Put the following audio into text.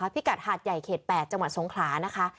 พิกัดหาดใหญ่เขต๘จังหวัดสงขลานะคะ